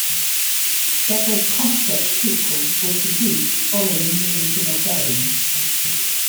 Several "Contra" sequels were produced following the original game.